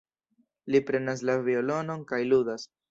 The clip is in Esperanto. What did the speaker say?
Li prenas la violonon kaj ludas.